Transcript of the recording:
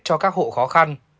cho các hộ khó khăn